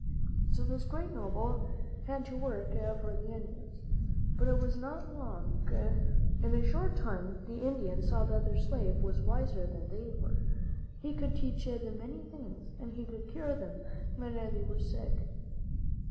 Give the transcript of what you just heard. So this great noble had to work for the Indians, but it was not for long. In a short time, the Indians saw that their slave was wiser than they were; he could teach them many things, and he could cure them when they were sick.